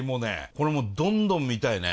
これもうどんどん見たいね。